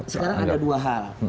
sekarang ada dua hal